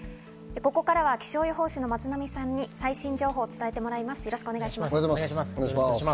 ここからは気象予報士の松並さんに最新情報を伝えてもらいます。